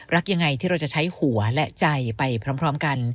รักยังไงที่เราจะใช้หัวและใจไปพร้อมกัน